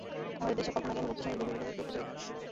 আমাদের দেশে কল্পনা জ্ঞান ও ভক্তির সঙ্গে গভীররূপে জড়িত।